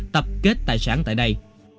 tập kết tài sản tại đây